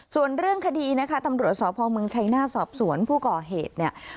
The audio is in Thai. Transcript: ส่วนเรื่องคดีนะคะตำรวจสพเมืองชัยหน้าสอบสวนผู้ก่อเหตุเนี่ย